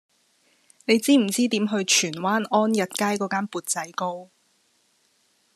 你知唔知點去荃灣安逸街嗰間缽仔糕